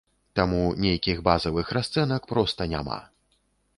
Таму нейкіх базавых расцэнак проста няма.